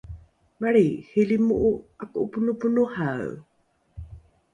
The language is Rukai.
malriihilimo’o ’ako’oponoponohae